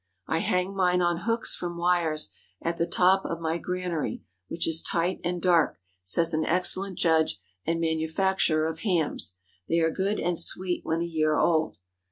"I hang mine on hooks from wires, at the top of my granary, which is tight and dark," says an excellent judge and manufacturer of hams. "They are good and sweet when a year old."